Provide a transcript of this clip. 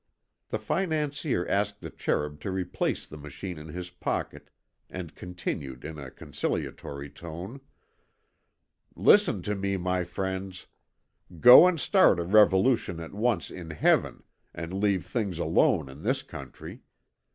The financier asked the Cherub to replace the machine in his pocket, and continued in a conciliatory tone: "Listen to me, my friends. Go and start a revolution at once in Heaven, and leave things alone in this country.